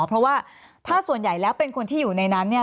เพราะว่าถ้าส่วนใหญ่แล้วเป็นคนที่อยู่ในนั้นเนี่ย